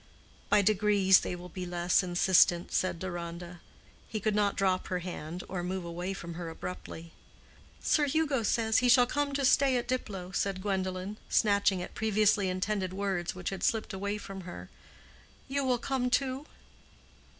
"By degrees they will be less insistent," said Deronda. He could not drop her hand or move away from her abruptly. "Sir Hugo says he shall come to stay at Diplow," said Gwendolen, snatching at previously intended words which had slipped away from her. "You will come too."